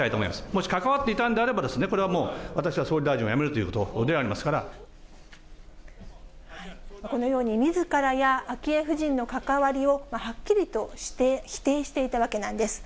もし関わっていたんであれば、これはもう私は総理大臣を辞めるこのように、みずからや昭恵夫人の関わりをはっきりと否定していたわけなんです。